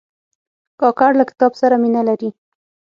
کاکړ له کتاب سره مینه لري.